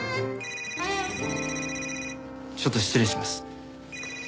ちょっと失礼します。